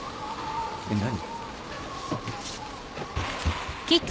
えっ何？